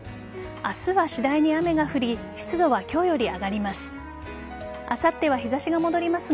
明日は次第に雨が降り湿度は今日より上がります。